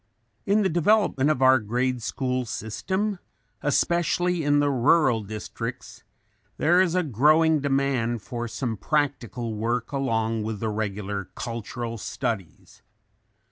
In the development of our grade school system, especially in the rural districts, there is a growing demand for some practical work along with the regular cultural studies.